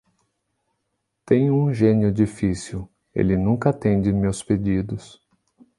Tenho um gênio difícil: ele nunca atende meus pedidos.